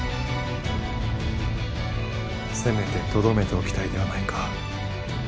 せめてとどめておきたいではないか。